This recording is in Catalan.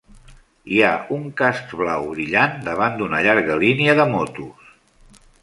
Hi ha un casc blau brillant davant d'una llarga línia de motos.